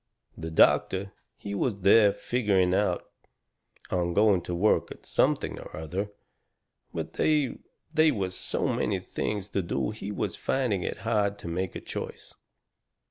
The doctor, he was there figgering on going to work at something or other, but they was so many things to do he was finding it hard to make a choice.